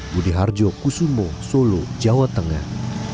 budi harjo kusumo solo jawa tengah